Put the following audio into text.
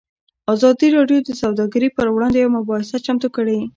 ازادي راډیو د سوداګري پر وړاندې یوه مباحثه چمتو کړې.